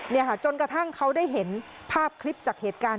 นี่ค่ะจนกระทั่งเขาได้เห็นภาพคลิปจากเหตุการณ์